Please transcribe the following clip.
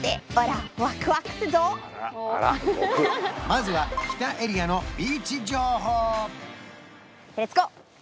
まずは北エリアのビーチ情報！